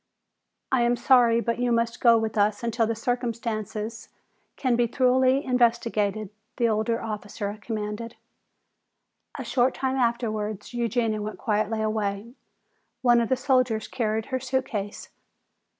"I am sorry, but you must go with us until the circumstances can be more thoroughly investigated," the older officer commanded. A short time afterwards Eugenia went quietly away. One of the soldiers carried her suitcase.